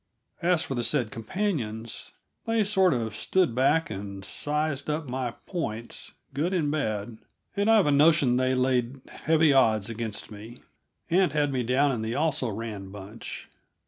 As for the said companions, they sort of stood back and sized up my points, good and bad and I've a notion they laid heavy odds against me, and had me down in the Also Ran bunch.